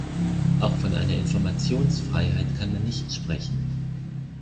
Auch von einer Informationsfreiheit kann man nicht sprechen.